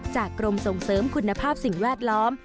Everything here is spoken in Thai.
กรมส่งเสริมคุณภาพสิ่งแวดล้อม